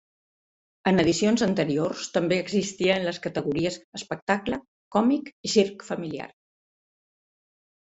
En edicions anteriors també existien les categories: espectacle còmic i circ familiar.